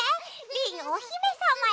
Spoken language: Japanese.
リンおひめさまよ。